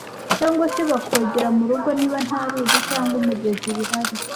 cyangwa se bakogera mu rugo niba nta ruzi cyangwa umugezi Bihari